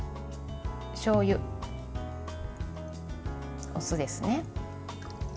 しょうゆ、お酢ですね。